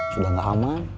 sudah gak aman